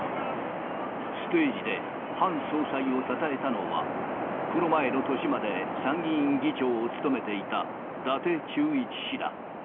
ステージで、ハン総裁をたたえたのは、この前の年まで参議院議長を務めていた伊達忠一氏だ。